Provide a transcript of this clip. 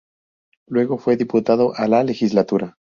Luego fue diputado a la Legislatura.